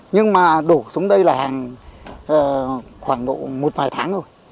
nhưng mà đổ xuống đây là hàng khoảng độ một vài tháng rồi